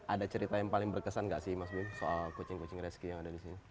ada cerita yang paling berkesan gak sih mas bim soal kucing kucing reski yang ada di sini